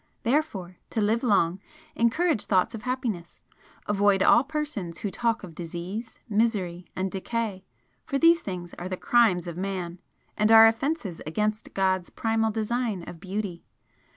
Therefore, to live long, encourage thoughts of happiness! Avoid all persons who talk of disease, misery and decay for these things are the crimes of man, and are offences against God's primal design of beauty.